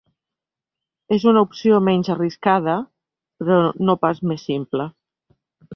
És una opció menys arriscada, però no pas més simple.